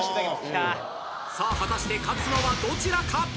さあ果たして勝つのはどちらか！？